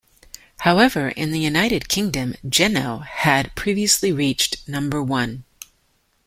However, in the United Kingdom, "Geno" had previously reached number one.